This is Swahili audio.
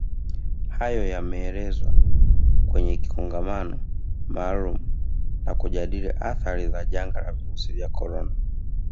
Hayo yameelezwa kwenye Kongamano maalumu la kujadili athari za janga la virusi vya corona